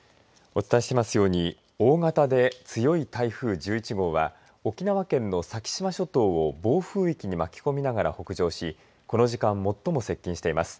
お伝えしていますように大型で強い台風１１号は沖縄県の先島諸島を暴風域に巻き込みながら北上しこの時間、最も接近しています。